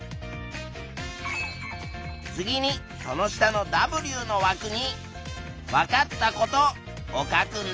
次にその下のＷのわくに「わかったこと」を書くんだ。